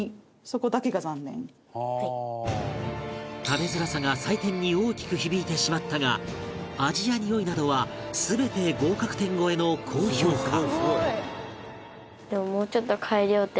食べづらさが採点に大きく響いてしまったが味やにおいなどは全て合格点超えの高評価